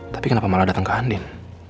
tapi kenapa malah datang ke andil